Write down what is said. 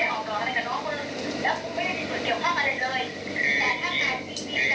แต่ถ้านักข่าวส่วนกลางลงคุณจะบอกว่าทีเตรียมว่าคุณไม่เกี่ยว